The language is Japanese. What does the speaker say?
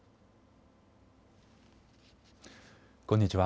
こんにちは。